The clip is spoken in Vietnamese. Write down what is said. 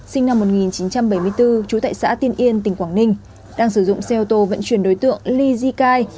sinh năm một nghìn chín trăm bảy mươi bốn trú tại xã tiên yên tỉnh quảng ninh đang sử dụng xe ô tô vận chuyển đối tượng ly jicai